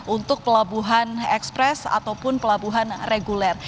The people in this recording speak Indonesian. untuk pelabuhan ekspres ataupun pelabuhan reguler